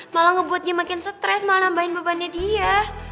malah ngebuat dia makin stres malah nambahin bebannya dia